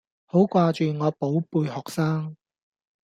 好掛住我寶貝學生